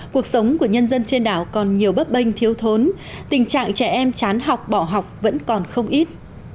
cuộc sống của nhân dân trên đảo còn nhiều bấp bênh thiếu thốn tình trạng trẻ em chán học bỏ học vẫn còn không ít